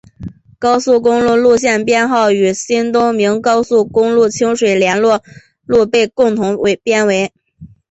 高速公路路线编号与新东名高速公路清水联络路被共同编为。